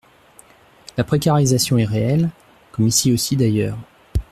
La précarisation est réelle, comme ici aussi d’ailleurs.